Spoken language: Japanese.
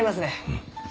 うん。